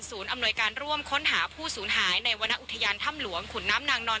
อำนวยการร่วมค้นหาผู้สูญหายในวรรณอุทยานถ้ำหลวงขุนน้ำนางนอน